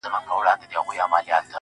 ښه نیت تل بریالی وي.